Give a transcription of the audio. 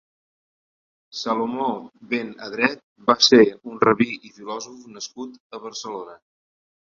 Salomó ben Adret va ser un rabí i filòsof nascut a Barcelona.